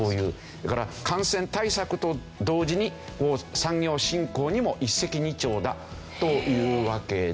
だから感染対策と同時に産業振興にも一石二鳥だというわけで。